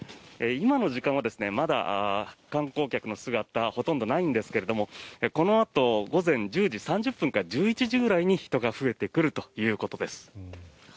今の時間はまだ観光客の姿はほとんどないんですがこのあと午前１０時３０分から１１時ぐらいに人が増えてくるということです。